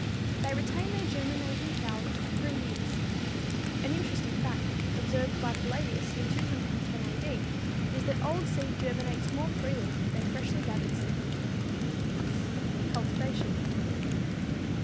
They retain their germinating power for three years. An interesting fact, observed by Palladius in 210 A. D., is that old seed germinates more freely than freshly gathered seed. _Cultivation.